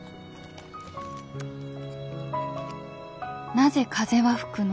「なぜ風はふくの？